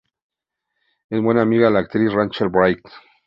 Es buena amiga de la actriz Rachel Bright.